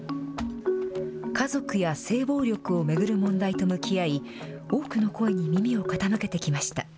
家族や性暴力を巡る問題と向き合い、多くの声に耳を傾けてきました。